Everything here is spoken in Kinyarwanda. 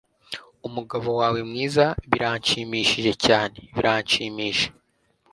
Umugabo wawe mwiza Biranshimishije cyane, biranshimisha